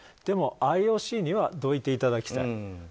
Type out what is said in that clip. でも、ＩＯＣにはどいていただきたい。